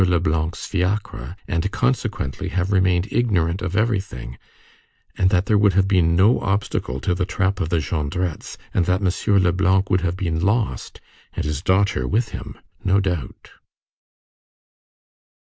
Leblanc's fiacre, and consequently have remained ignorant of everything, and that there would have been no obstacle to the trap of the Jondrettes and that M. Leblanc would have been lost, and his daughter with him, no doubt.